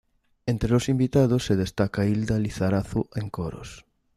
Entre los invitados se destaca Hilda Lizarazu en coros.